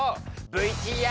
ＶＴＲ。